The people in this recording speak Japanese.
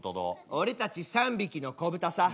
「俺たち３匹の子豚さ。